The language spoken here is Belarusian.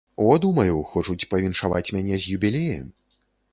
О, думаю, хочуць павіншаваць мяне з юбілеем.